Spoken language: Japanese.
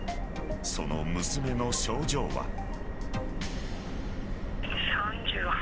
その娘の症状は。